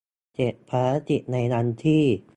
เสร็จภารกิจในวันที่